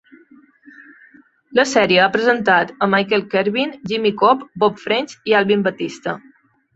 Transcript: La sèrie ha presentat a Michael Carvin, Jimmy Cobb, Bob French i Alvin Batiste.